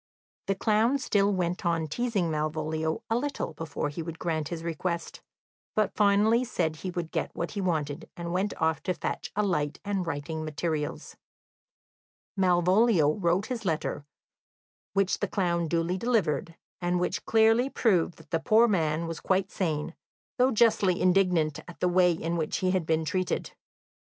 The clown still went on teasing Malvolio a little before he would grant his request, but finally said he would get what he wanted, and went off to fetch a light and writing materials. Malvolio wrote his letter, which the clown duly delivered, and which clearly proved that the poor man was quite sane, though justly indignant at the way in which he had been treated.